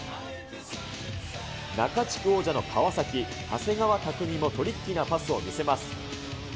中地区王者の川崎、長谷川技もトリッキーなパスを見せます。